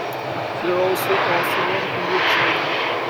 There also are several hundred Chinese.